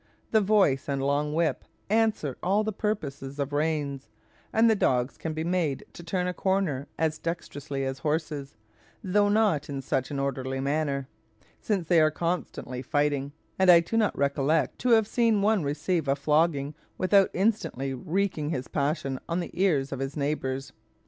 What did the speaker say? The voice and long whip answer all the purposes of reins, and the dogs can be made to turn a corner as dexterously as horses, though not in such an orderly manner, since they are constantly fighting; and I do not recollect to have seen one receive a flogging without instantly wreaking his passion on the ears of his neighbours.